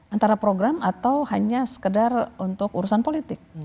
antara program atau hanya sekedar untuk urusan politik